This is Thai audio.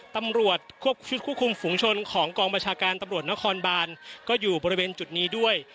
ตำรวจควบคุมฝุงชนของกองประชาการตำรวจนครบานก็อยู่บริเวณจุดนี้ด้วย